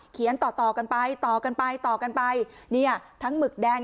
เขียนต่อต่อกันไปต่อกันไปต่อกันไปเนี่ยทั้งหมึกแดง